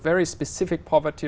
và cũng là một vấn đề